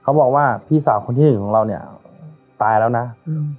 เขาบอกว่าพี่สาวคนที่หนึ่งของเราเนี้ยตายแล้วนะอืม